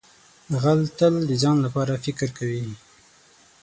غل تل د ځان لپاره فکر کوي